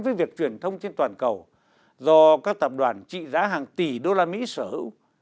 với việc truyền thông trên toàn cầu do các tạp đoàn trị giá hàng tỷ đô la mỹ sở hữu